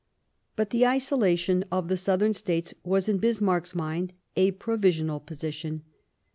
^ But the isolation of the Southern States was, in Bismarck's mind, a provisional position.